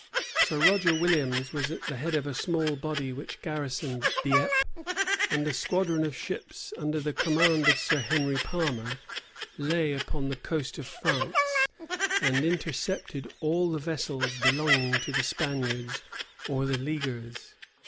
Sir Roger Williams was at the head of a small body which garrisoned Dieppe: and a squadron of ships, under the command of Sir Henry Palmer, lay upon the coast of France, and intercepted all the vessels belonging to the Spaniards or the leaguers.